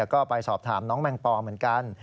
ก็ไปสอบถามน้องแมงปอเหมือนกัน